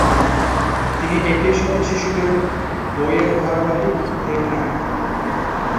তিনি একই সাথে শিশুদের বইয়ের ধারাবাহিক ""-এরও নায়ক।